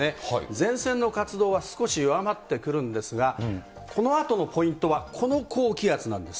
前線の活動は少し弱まってくるんですが、このあとのポイントは、この高気圧なんです。